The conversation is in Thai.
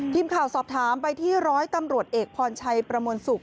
ทีมข่าวสอบถามไปที่ร้อยตำรวจเอกพรชัยประมวลสุข